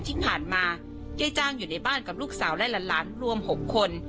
ที่ผ่านมายายจ้างอยู่ในบ้านกับลูกสาวและหลานรวม๖คน